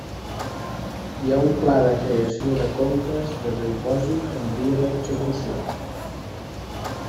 Hi ha un pla de creació de conques de dipòsit en via d'execució.